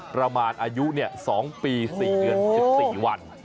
ประมาณอายุ๒ปี๔เดือน๑๔วัน